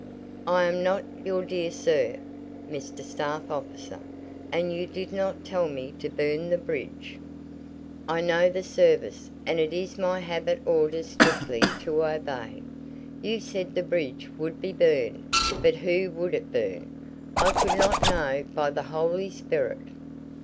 "I am not your 'dear sir,' Mr. Staff Officer, and you did not tell me to burn the bridge! I know the service, and it is my habit orders strictly to obey. You said the bridge would be burned, but who would burn it, I could not know by the holy spirit!"